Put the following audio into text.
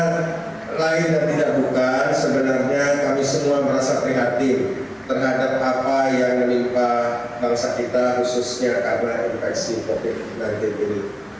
bukan sebenarnya kami semua merasa prihatin terhadap apa yang menimpa bangsa kita khususnya karena infeksi covid sembilan belas ini